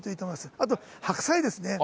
あと白菜ですね。